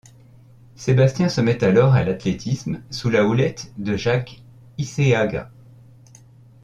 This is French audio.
Sébastien se met alors à l'athlétisme sous la houlette de Jacques Iceaga.